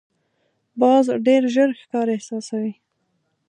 باز ډېر ژر ښکار احساسوي